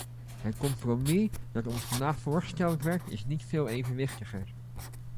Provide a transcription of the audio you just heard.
Het compromis dat ons vandaag voorgesteld werd, is niet veel evenwichtiger.